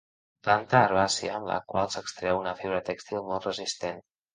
Planta herbàcia de la qual s'extreu una fibra tèxtil molt resistent.